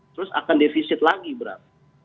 terus akan defisit lagi berat